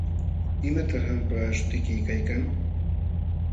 ¿Imataq qampa śhutiyki kaykan?